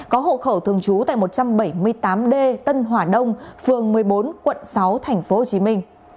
có hộ khẩu thường trú tại một trăm bảy mươi tám d tân hỏa đông phường một mươi bốn quận sáu tp hcm